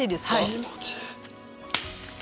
気持ちいい。